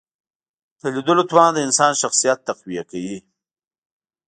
د لیدلو توان د انسان شخصیت تقویه کوي